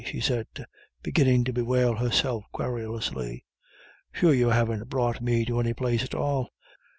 she said, beginning to bewail herself querulously. "Sure you haven't brought me to any place at all.